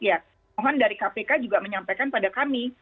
ya mohon dari kpk juga menyampaikan pada kami